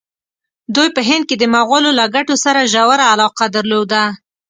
دوی په هند کې د مغولو له ګټو سره ژوره علاقه درلوده.